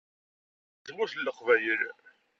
Nitni seg Tmurt n Leqbayel.